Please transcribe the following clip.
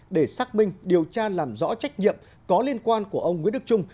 để xác minh điều tra làm rõ trách nhiệm có liên quan của ông nguyễn đức trung